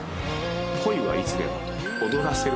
恋はいつでもと「踊らせるだけ」